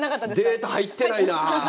データ入ってないな。